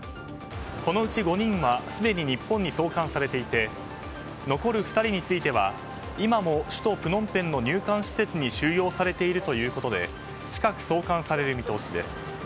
このうち５人はすでに日本に送還されていて残る２人については今も首都プノンペンの入管施設に収容されているということで近く、送還される見通しです。